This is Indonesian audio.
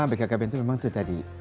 bkkbn itu memang itu tadi